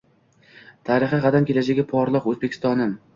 “Tarixi qadim, kelajagi porloq O‘zbekistonim!”